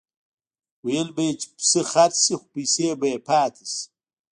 ویل به یې چې پسه خرڅ شي خو پیسې به یې پاتې شي.